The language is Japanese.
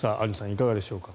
いかがでしょうか。